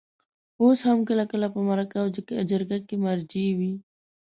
اوس هم کله کله په مرکه او جرګه کې مرجع وي.